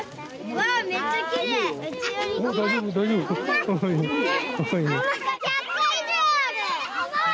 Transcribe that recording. めっちゃきれい。